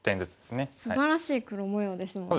すばらしい黒模様ですもんね。